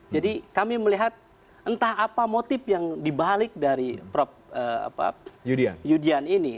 jadi kami melihat entah apa motif yang dibalik dari yudian ini